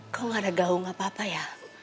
kau gak ada gaung apa apa ya